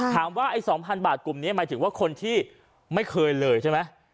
ไอ้๒๐๐บาทกลุ่มนี้หมายถึงว่าคนที่ไม่เคยเลยใช่ไหม